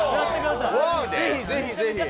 ぜひ、ぜひ、ぜひ！